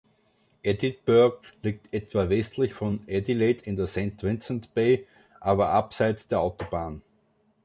Edithburgh liegt etwa westlich von Adelaide in der St. Vincent Bay, aber abseits der Autobahn.